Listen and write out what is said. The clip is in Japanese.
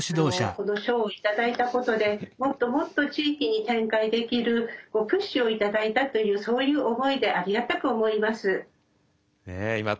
この賞を頂いたことでもっともっと地域に展開できるプッシュを頂いたというそういう思いでありがたく思います。